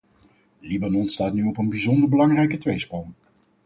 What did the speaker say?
Libanon staat nu op een bijzonder belangrijke tweesprong.